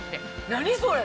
何それ！